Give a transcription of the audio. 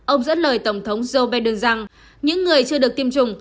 ông dẫn lời tổng thống joe biden rằng những người chưa được tiêm chủng